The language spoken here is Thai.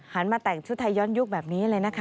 มาแต่งชุดไทยย้อนยุคแบบนี้เลยนะคะ